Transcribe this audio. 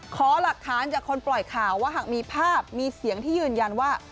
ขอหลักฐานจากคนปล่อยข่าวว่าหากมีภาพมีเสียงที่ยืนยันว่า